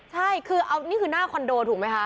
ใช่คือเอานี่คือหน้าคอนโดถูกไหมคะ